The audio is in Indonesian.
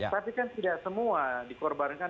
tapi kan tidak semua dikorbankan